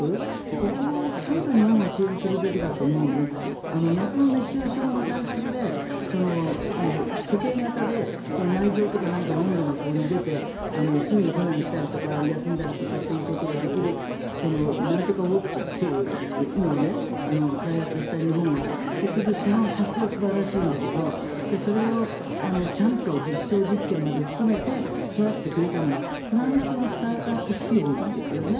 ここをちゃんと日本は支援するべきだと思うので夏の熱中症の対策で、時計型で内臓とかの温度がここに出てすぐに避難したりとか休んだりとかってことができるなんとかウォッチというのを開発した日本は、結局その発想は素晴らしいんだけどそれをちゃんと実証実験まで含めて育ててくれたのはフランスのスタートアップ支援なんですね。